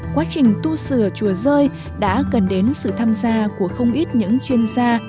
quá trình tu sửa chùa rơi đã gần đến sự tham gia của không ít những chuyên gia